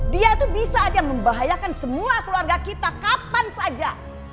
dia tuh bisa aja membahayakan semua keluarga kita kapan saja